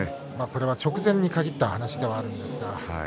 それは直前に限った話ではあるんですけど。